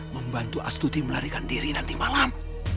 membantu astuti melarikan diri nanti malam